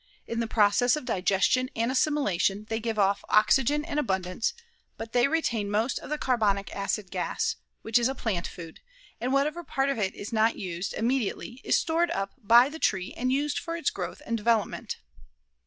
In the process of digestion and assimilation they give off oxygen in abundance, but they retain most of the carbonic acid gas, which is a plant food, and whatever part of it is not used immediately is stored up by the tree and used for its growth and development.